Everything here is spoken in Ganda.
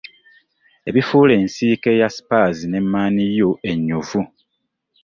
Ebifuula ensiike ya spurs ne Man u enyuvu ,